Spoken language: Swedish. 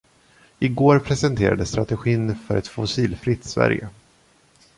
Igår presenterades strategin för ett fossilfritt Sverige